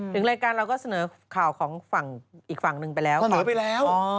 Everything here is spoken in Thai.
ถึงรายการเราก็เสนอข่าวของฝั่งอีกฝั่งนึงไปแล้ว